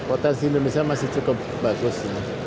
potensi indonesia masih cukup bagus